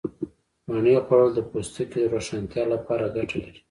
مڼې خوړل د پوستکي د روښانتیا لپاره گټه لري.